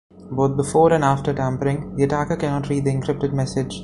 Both before and after tampering, the attacker cannot read the encrypted message.